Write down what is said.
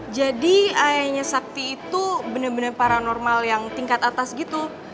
jadi ayahnya sakti itu bener bener paranormal yang tingkat atas gitu